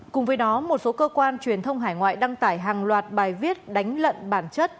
cùng với đó một số cơ quan truyền thông hải ngoại đăng tải hàng loạt bài viết đánh lận bản chất